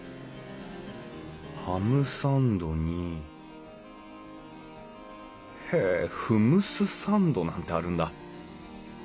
ハムサンドにへえフムスサンドなんてあるんだ。